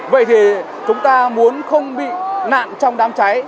vậy thì chúng ta muốn không bị nạn trong đám cháy